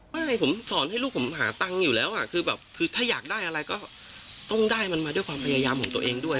ไม่ผมสอนให้ลูกผมหาตังค์อยู่แล้วคือแบบคือถ้าอยากได้อะไรก็ต้องได้มันมาด้วยความพยายามของตัวเองด้วย